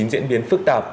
diễn biến phức tạp